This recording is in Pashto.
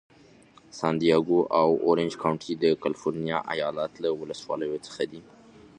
سن دیاګو او اورینج کونټي د کالفرنیا ایالت له ولسوالیو څخه دي.